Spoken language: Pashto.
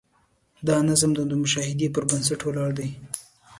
دا نظم د مشاهدې پر بنسټ ولاړ دی.